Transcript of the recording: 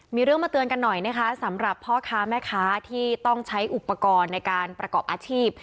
มีเรื่องมาเตือนกันหน่อยนะคะสำหรับพ่อค้าแม่ค้าที่ต้องใช้อุปกรณ์ในการประกอบอาชีพ